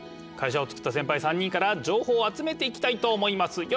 会社を作ったセンパイ３人から情報を集めていきたいと思います。